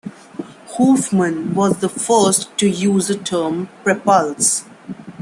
Hoffman was the first to use the term prepulse.